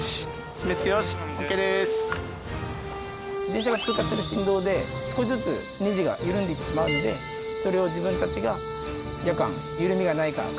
電車が通過する振動で少しずつネジが緩んでいってしまうのでそれを自分たちが夜間。